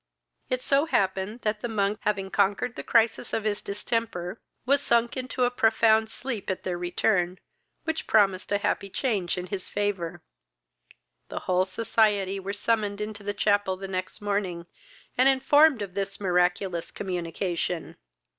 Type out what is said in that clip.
It so happened, that the monk, having conquered the crisis of his distemper, was sunk into a profound sleep at their return, which promised a happy change in his favour. The whole society were summoned into the chapel the next morning, and informed of this miraculous communication.